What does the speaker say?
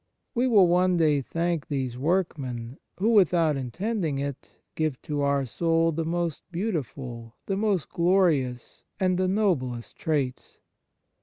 We will one day thank these workmen, who, without intending it, give to our soul the most beautiful, the most glorious, and the noblest traits.